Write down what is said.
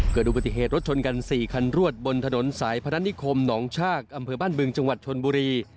เกิดอุบัติเหตุรถชนกัน๔คันรวดบนถนนสายพนัฐนิคมหนองชากอำเภอบ้านบึงจังหวัดชนบุรี